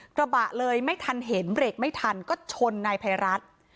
กระบะเลยไม่ทันเห็นเบรกไม่ทันก็ชนนายภัยรัฐ